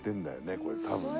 これ多分ね。